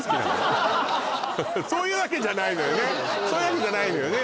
そういうわけじゃないのよね？